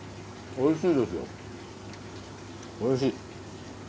おいしい。